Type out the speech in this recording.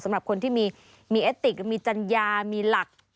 สำหรับคนที่มีเอสติกมีจัญญามีหลัก